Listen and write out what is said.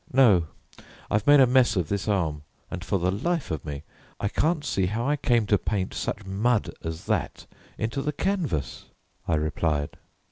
"No, I've made a mess of this arm, and for the life of me I can't see how I came to paint such mud as that into the canvas," I replied.